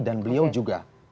dan beliau juga